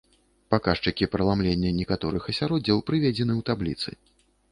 Паказчыкі праламлення некаторых асяроддзяў прыведзены ў табліцы.